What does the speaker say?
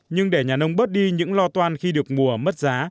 nhưng để nhà nông bớt đi những lo toan khi được mùa mất giá